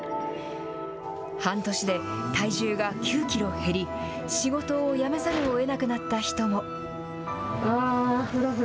半年で体重が９キロ減り、仕事を辞めざるをえなくなった人も。